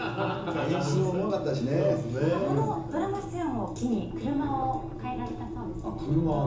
また、このドラマ出演を機に車を変えられたそうですね。